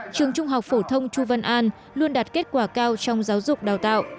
trường trung học phổ thông chu văn an luôn đạt kết quả cao trong giáo dục đào tạo